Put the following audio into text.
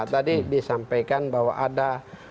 tadi disampaikan bahwa ada